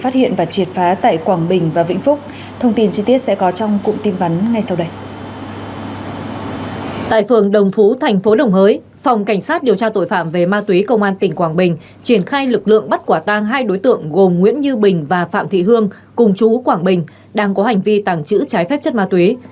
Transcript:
tại phường đồng phú thành phố đồng hới phòng cảnh sát điều tra tội phạm về ma túy công an tỉnh quảng bình triển khai lực lượng bắt quả tang hai đối tượng gồm nguyễn như bình và phạm thị hương cùng chú quảng bình đang có hành vi tàng trữ trái phép chất ma túy